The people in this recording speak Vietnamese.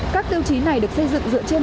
các tiêu chí này được xây dựng dựa trên